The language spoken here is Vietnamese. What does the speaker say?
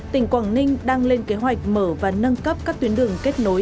tỉnh quảng ninh đang lên kế hoạch mở và nâng cấp các tuyến đường kết nối